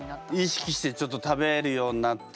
意識してちょっと食べるようになって。